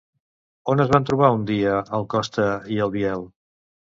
On es van trobar un dia el Costa i el Biel?